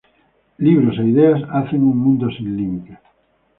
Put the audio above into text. Libros e ideas hacen un mundo sin límites.